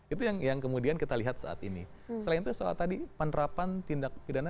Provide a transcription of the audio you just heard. itu yang kemudian kita lihat saat ini selain itu soal tadi penerapan tindak pidana